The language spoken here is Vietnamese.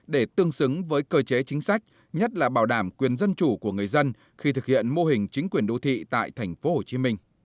để tương xứng với cơ chế chính sách nhất là bảo đảm quyền dân chủ của người dân khi thực hiện mô hình chính quyền đô thị tại tp hcm